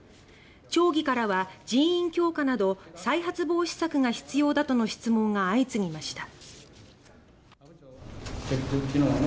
町議からは人員強化などの再発防止策が必要だとの質問が相次ぎました。